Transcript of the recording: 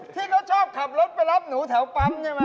ที่เขาชอบขับรถไปรับหนูแถวปั๊มใช่ไหม